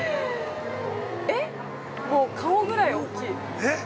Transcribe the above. えっ、顔ぐらい大きい。